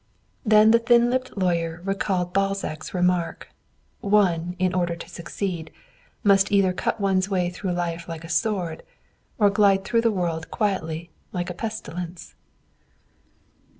Then the thin lipped lawyer recalled Balzac's remark, "One, in order to succeed, must either cut one's way through life like a sword, or glide through the world quietly like a pestilence."